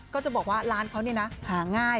ก็จะบอกว่าร้านเขาหาง่าย